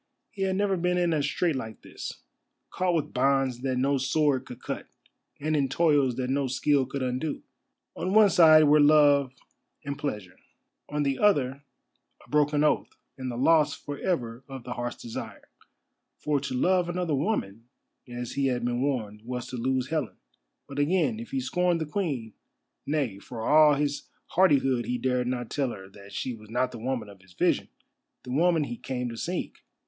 He had never been in a strait like this; caught with bonds that no sword could cut, and in toils that no skill could undo. On one side were love and pleasure—on the other a broken oath, and the loss for ever of the Heart's Desire. For to love another woman, as he had been warned, was to lose Helen. But again, if he scorned the Queen—nay, for all his hardihood he dared not tell her that she was not the woman of his vision, the woman he came to seek.